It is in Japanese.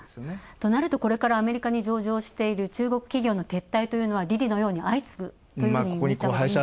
となると、これからアメリカに上場している中国企業の撤退というのは滴滴のように相次ぐというふうに見たほうがいいですか？